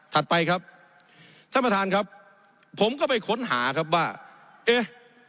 ไปครับท่านประธานครับผมก็ไปค้นหาครับว่าเอ๊ะ